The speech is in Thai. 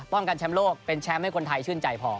กันแชมป์โลกเป็นแชมป์ให้คนไทยชื่นใจพอ